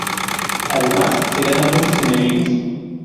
Además, se gana muchos enemigos.